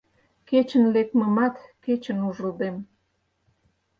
Кечын лекмымат кечын ужылдем